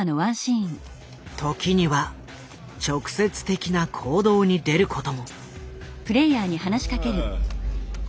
時には直接的な行動に出ることも。